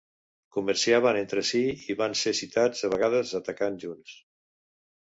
Comerciaven entre si i van ser citats a vegades atacant junts.